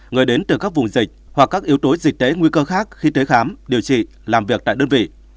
người đến từ các vùng dịch hoặc các yếu tố dịch tễ nguy cơ khác khi tới khám điều trị làm việc tại đơn vị